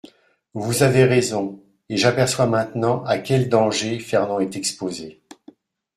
Vous avez raison, et j’aperçois maintenant à quels dangers Fernand est exposé.